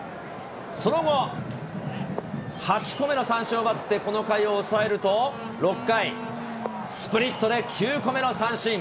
その後、８個目の三振を奪って、この回を抑えると、６回、スプリットで９個目の三振。